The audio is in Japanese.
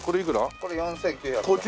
これ４９５０円。